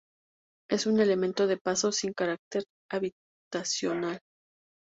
Es un elemento de paso, sin carácter habitacional.